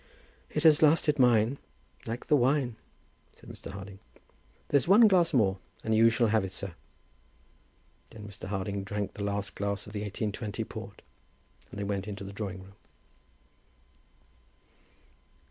"It has lasted mine, like the wine," said Mr. Harding. "There's one glass more, and you shall have it, sir." Then Mr. Harding drank the last glass of the 1820 port, and they went into the drawing room.